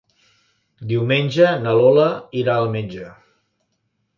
Diumenge na Lola irà al metge.